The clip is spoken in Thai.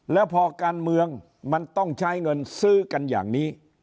แล้วพอการเมืองมันต้องใช้เงินซื้อกันอย่างนี้